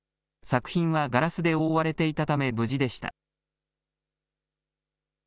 作品はガラスで覆われていたため無事でした。